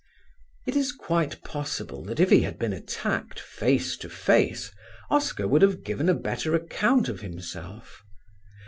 It is quite possible that if he had been attacked face to face, Oscar would have given a better account of himself.